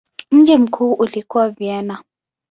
Mji mkuu ulikuwa Vienna.